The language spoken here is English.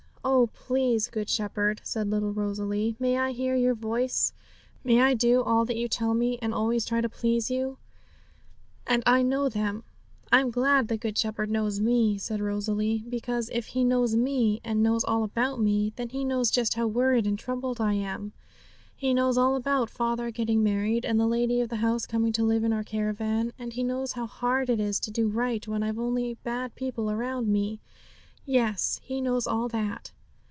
Oh, please Good Shepherd, said little Rosalie, 'may I hear your voice; may I do all that you tell me, and always try to please you! '"And I know them." I'm glad the Good Shepherd knows me,' said Rosalie; 'because if He knows me, and knows all about me, then He knows just how worried and troubled I am. He knows all about father getting married, and the lady of the house coming to live in our caravan; and He knows how hard it is to do right when I've only bad people round me; yes, He knows all that.